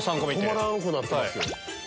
止まらんくなってますよ。